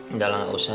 enggak lah gak usah